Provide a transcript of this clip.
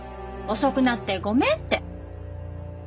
「遅くなってごめん」って。